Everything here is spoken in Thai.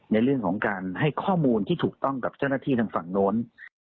ในเรื่องของการให้ข้อมูลที่ถูกต้องกับเจ้าหน้าที่ทางฝั่งโน้น